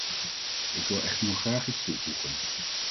Ik wil echter nog graag iets toevoegen.